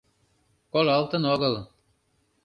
Колалтын огыл...